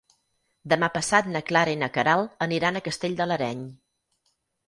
Demà passat na Clara i na Queralt aniran a Castell de l'Areny.